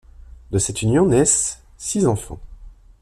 De cette union naissent six enfants.